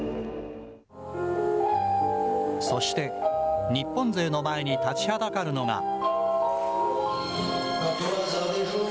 そして、日本勢の前に立ちはだかるのが。